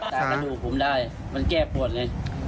กระดูกผมได้มันแก้ปวดเลย